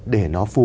để nó phục vụ